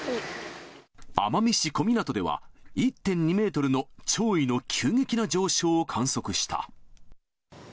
奄美市小湊では、１．２メートルの潮位の急激な上昇を観測した。